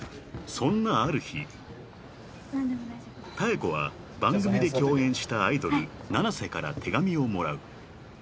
［そんなある日妙子は番組で共演したアイドル七瀬から手紙をもらう］